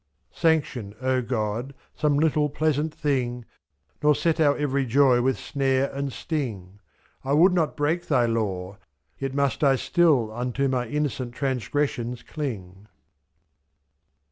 Sanction, O God, some little pleasant thing. Nor set our every joy with snare and sting; n^l would not break Thy law, — yet must I still Unto my innocent transgressions cling.